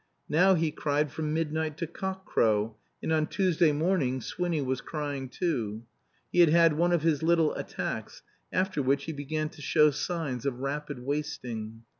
Now he cried from midnight to cock crow; and on Tuesday morning Swinny was crying too. He had had one of his "little attacks," after which he began to show signs of rapid wasting.